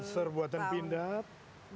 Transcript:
panzer buatan pindad dua ribu lima belas